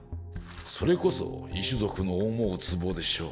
それこそ異種族の思うつぼでしょう。